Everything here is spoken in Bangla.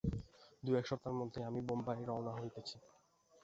দু-এক সপ্তাহের মধ্যেই আমি বোম্বাই রওনা হইতেছি।